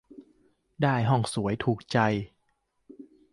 ได้ห้องสวยถูกใจ